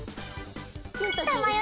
たまよ